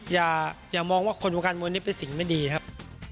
อย่ามองว่าคนวงการมวยนี้เป็นสิ่งไม่ดีครับ